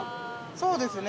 そうですね。